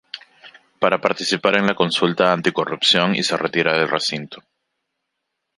Para participar en la consulta anticorrupción y se retira del recinto.